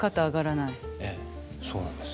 ええそうなんです。